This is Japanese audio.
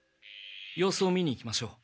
様子を見に行きましょう。